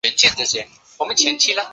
率领所部开赴俄国内战东线作战。